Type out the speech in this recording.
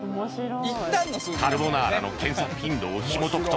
カルボナーラの検索頻度をひもとくと